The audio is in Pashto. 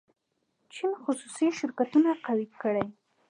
چین خصوصي شرکتونه قوي کړي.